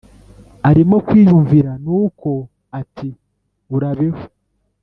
arimo kwiyumvira nuko ati urabeho